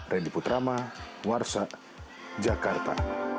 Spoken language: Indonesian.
randy putrama warsa jakarta